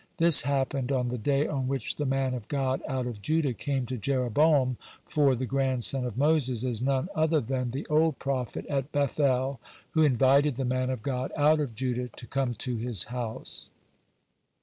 This happened on the day on which the man of God out of Judah came to Jeroboam, for the grandson of Moses is none other than the old prophet at Beth el who invited the man of God out of Judah to come to his house.